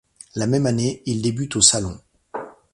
La même année, il débute au Salon.